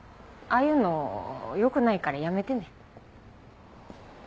あいうの良くないからやめてね。